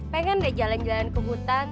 pengen deh jalan jalan ke hutan